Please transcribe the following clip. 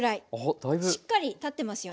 しっかり立ってますよね。